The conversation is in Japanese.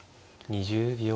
２０秒。